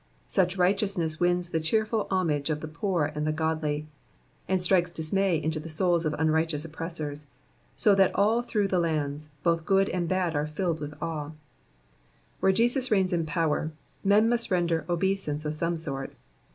Such righteousness wins the cheerful homage of the poor and the godly, Digitized by VjOOQIC 318 EXPOSITIONS OF TUE PSALMS. and strikes dismay into the souls of unrighteous oppressors ; so that all through the lands, both good and bad are tilled in^ith awe. Where Jesus reigns in power men must render obeisance of some sort.